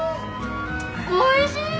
おいしい！